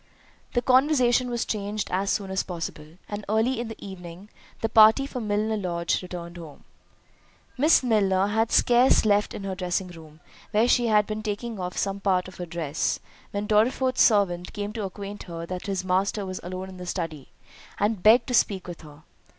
The conversation was changed as soon as possible, and early in the evening the party from Milner Lodge returned home. Miss Milner had scarce left her dressing room, where she had been taking off some part of her dress, when Dorriforth's servant came to acquaint her that his master was alone in his study, and begged to speak with her.